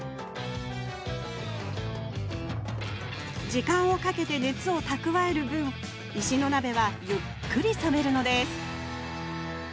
時間をかけて熱を蓄える分石の鍋はゆっくり冷めるのです